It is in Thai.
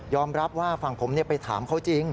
รับว่าฝั่งผมไปถามเขาจริง